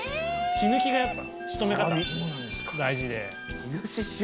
血抜きがやっぱ仕留め方大事で。